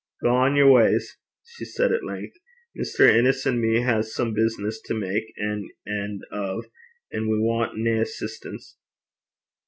'Gang yer wa's,' she said at length. 'Mr. Innes and me has some business to mak an en' o', an' we want nae assistance.'